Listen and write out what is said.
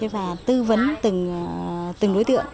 và tư vấn từng đối tượng